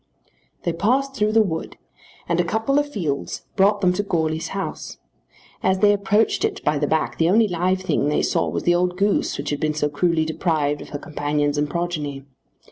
They passed through the wood, and a couple of fields brought them to Goarly's house. As they approached it by the back the only live thing they saw was the old goose which had been so cruelly deprived of her companions and progeny.